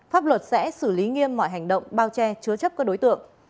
pháp luật sẽ xử lý nghiêm mọi hành động bao che chứa chấp các đối tượng